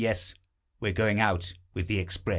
Yes, We're going out with the express.